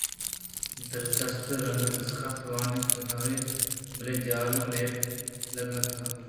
دست رند(دستخط) واناک نہ اَت بلئے جہل ءَ مہرے لگّیتگ اَت